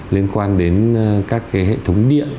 liên quan đến các hệ thống điện